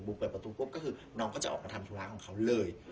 เปิดประตูปุ๊บก็คือน้องก็จะออกมาทำธุระของเขาเลย